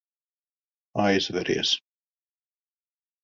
Aizveries.